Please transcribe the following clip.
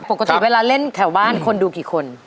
ปลูกประสบความเดามันเล่นแถวบ้านคนดูกี่คน